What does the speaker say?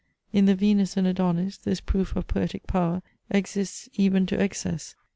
In the VENUS AND ADONIS this proof of poetic power exists even to excess.